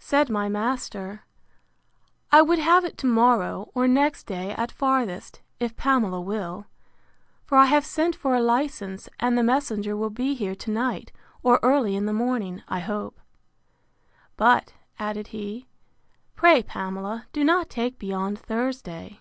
Said my master, I would have it to morrow, or next day at farthest, if Pamela will: for I have sent for a license, and the messenger will be here to night, or early in the morning, I hope. But, added he, pray, Pamela, do not take beyond Thursday.